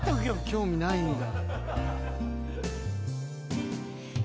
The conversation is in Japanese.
興味ないんだ。